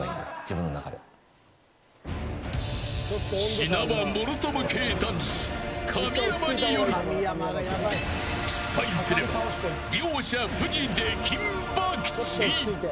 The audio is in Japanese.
死なばもろとも系男子神山による失敗すれば両者フジ出禁ばくち。